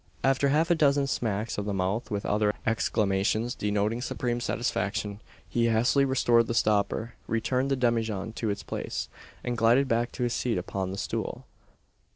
After half a dozen "smacks" of the mouth, with other exclamations denoting supreme satisfaction, he hastily restored the stopper; returned the demijohn to its place; and glided back to his seat upon the stool.